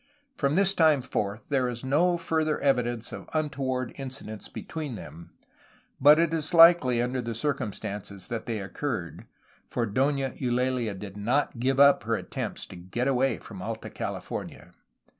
From this time forth, there is no further evidence of unto ward incidents between them, — ^but it is likely under the circumstances that they occurred, for Dona Eulalia did not give up her attempts to get away from Alta California.